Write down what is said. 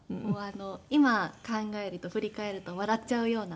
今考えると振り返ると笑っちゃうような話なんですけど。